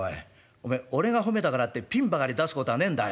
おめえ俺が褒めたからってピンばかり出すこたぁねえんだよ。